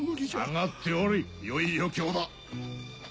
下がっておれよい余興だ。